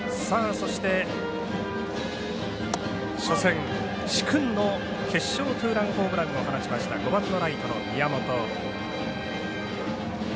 そして、初戦殊勲の決勝ツーランホームランを放ちました５番ライトの宮本。